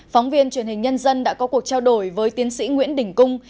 phóng viên truyền hình nhân dân đã có cuộc trao đổi với tiến sĩ nguyễn đình cung